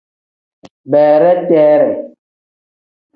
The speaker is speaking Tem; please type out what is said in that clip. Bereteree.